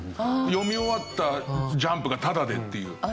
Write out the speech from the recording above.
読み終わった『ジャンプ』がタダでっていう。